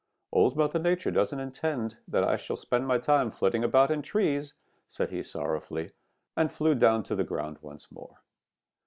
'Old Mother Nature doesn't intend that I shall spend my time flitting about in trees,' said he sorrowfully, and flew down to the ground once more.